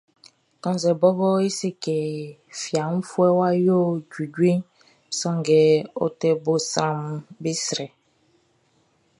Kannzɛ bɔbɔ e se kɛ fiafuɛʼn wʼa yo juejueʼn, sanngɛ ɔ te bo sranʼm be srɛ.